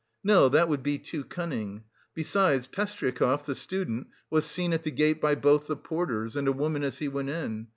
No, that would be too cunning! Besides, Pestryakov, the student, was seen at the gate by both the porters and a woman as he went in.